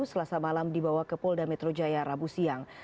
selasa malam dibawa ke polda metro jaya rabu siang